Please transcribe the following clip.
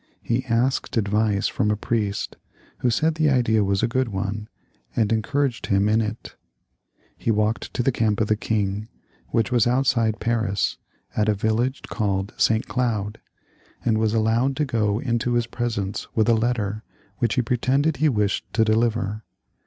He asked advice from a priest, who said the idea was a good one, and encouraged him in it. He walked to the camp of the king, which was outside Paris, at a village named St. Cloud, and was allowed to go into his presence with a letter which he pretended he wished to deliver.